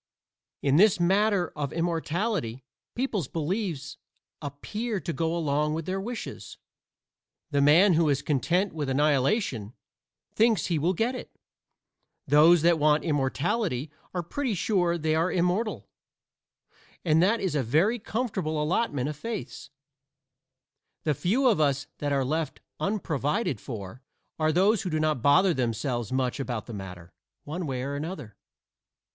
In this matter of immortality, people's beliefs appear to go along with their wishes. The man who is content with annihilation thinks he will get it; those that want immortality are pretty sure they are immortal; and that is a very comfortable allotment of faiths. The few of us that are left unprovided for are those who do not bother themselves much about the matter, one way or another.